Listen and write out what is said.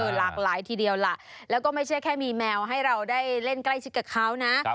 หลากหลายทีเดียวล่ะแล้วก็ไม่ใช่แค่มีแมวให้เราได้เล่นใกล้ชิดกับเขานะ